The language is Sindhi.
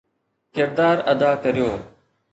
ڪردار ادا ڪريو